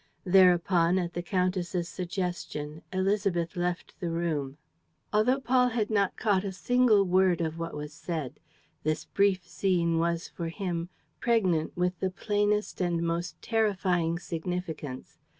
Thereupon, at the countess' suggestion, Élisabeth left the room. Although Paul had not caught a single word of what was said, this brief scene was, for him, pregnant with the plainest and most terrifying significance.